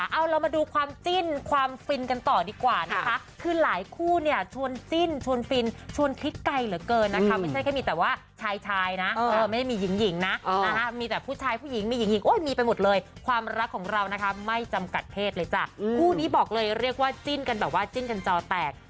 เอาเรามาดูความจิ้นความฟินกันต่อดีกว่านะคะคือหลายคู่เนี่ยชวนจิ้นชวนฟินชวนคลิกไกลเหลือเกินนะคะไม่ใช่แค่มีแต่ว่าชายชายนะไม่ได้มีหญิงนะมีแต่ผู้ชายผู้หญิงมีหญิงหญิงโอ้ยมีไปหมดเลยความรักของเรานะคะไม่จำกัดเพศเลยจ้ะคู่นี้บอกเลยเรียกว่าจิ้นกันแบบว่าจิ้นกันจอแตก